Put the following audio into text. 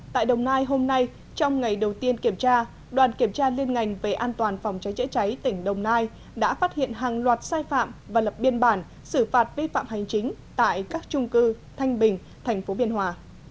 tại đồng nai hôm nay trong ngày đầu tiên kiểm tra đoàn kiểm tra liên ngành về an toàn phòng cháy chữa cháy tỉnh đồng nai đã phát hiện hàng loạt sai phạm và lập biên bản xử phạt vi phạm hành chính tại các trung cư thanh bình tp biên hòa